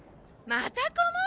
また子守？